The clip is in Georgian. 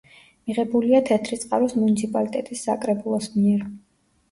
მიღებულია თეთრი წყაროს მუნიციპალიტეტის საკრებულოს მიერ.